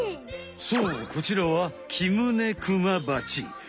そうこちらはキムネクマバチ！